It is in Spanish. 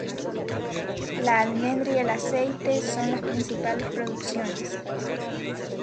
La almendra y el aceite son las principales producciones.